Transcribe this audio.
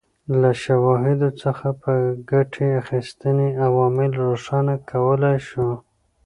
له شواهدو څخه په ګټې اخیستنې عوامل روښانه کولای شو.